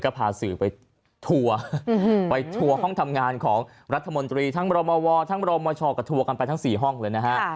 ก็พาสื่อไปทัวร์ไปทัวร์ห้องทำงานของรัฐมนตรีทั้งบรมวทั้งบรมชก็ทัวร์กันไปทั้ง๔ห้องเลยนะฮะ